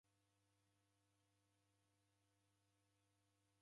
New'uka nikaoghosha nyumba.